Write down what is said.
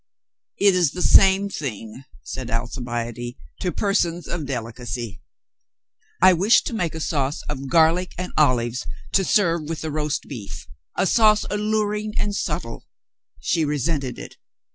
"It is the same thing," said Alcibiade, "to persons of delicacy." "I wished to make a sauce of garlic and olives to serve with the roast beef — a sauce alluring and subtle. She resented it.